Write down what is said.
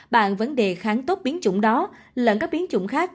bạn vẫn đề kháng tốt biến trụng đó lẫn các biến trụng khác